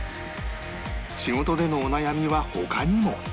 仕事でのお悩みは他にも